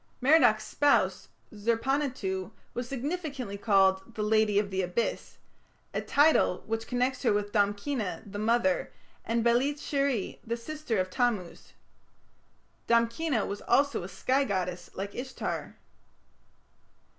Merodach's spouse Zer panituᵐ was significantly called "the lady of the Abyss", a title which connects her with Damkina, the mother, and Belit sheri, the sister of Tammuz. Damkina was also a sky goddess like Ishtar.